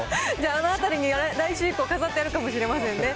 あの辺りに来週以降、飾ってあるかもしれませんね。